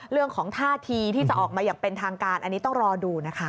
เรื่องของท่าทีที่จะออกมาอย่างเป็นทางการอันนี้ต้องรอดูนะคะ